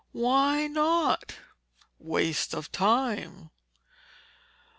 "Why not?" "Waste of time."